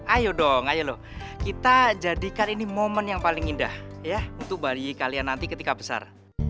ayo dong ayo kita jadikan ini momen yang paling indah ya untuk bayi kalian nanti ketika besar